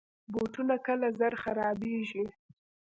بوټونه کله زر خرابیږي.